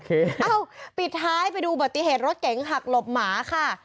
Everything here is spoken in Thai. เอ้าปิดท้ายไปดูบัติเหตุรถเก๋งหักหลบหมาค่ะ